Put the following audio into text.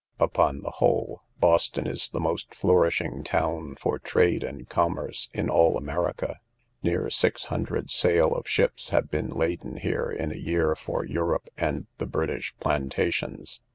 Upon the whole, Boston is the most flourishing town for trade and commerce in all America. Near six hundred sail of ships have been laden here in a year for Europe and the British plantations.